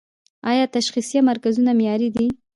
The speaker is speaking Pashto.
آیا تشخیصیه مرکزونه معیاري دي؟